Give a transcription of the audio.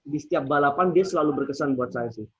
di setiap balapan dia selalu berkesan buat saya sih